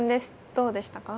どうでしたか。